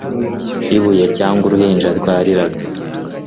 ibuye cyangwa uruhinja rwarariraga